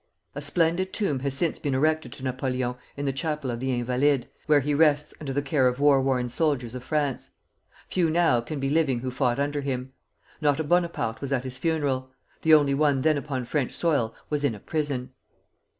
A splendid tomb has since been erected to Napoleon in the Chapel of the Invalides, where he rests under the care of the war worn soldiers of France. Few now can be living who fought under him. Not a Bonaparte was at his funeral; the only one then upon French soil was in a prison.